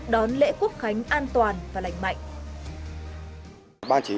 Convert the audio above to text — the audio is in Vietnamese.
đón lễ quốc khánh an toàn và lành mạnh